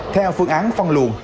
theo phương án phân luận